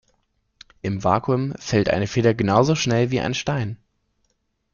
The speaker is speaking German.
Im Vakuum fällt eine Feder genauso schnell wie ein Stein.